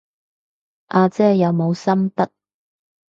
阿姐有冇心得？